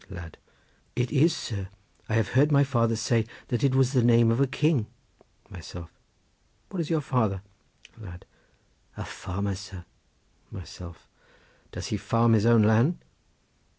Lad.—It is, sir; I have heard my father say that it was the name of a king. Myself.—What is your father? Lad.—A farmer, sir. Myself.—Does he farm his own land?